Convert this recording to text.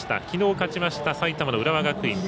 きのう勝ちました埼玉の浦和学院。